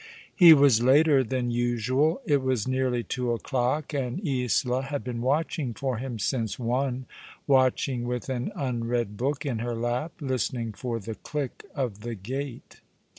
He was later than usual. It was nearly two o'clock, and Isola had been watching for him since one, watching with an unread book in her lap, listening for the click of the gate.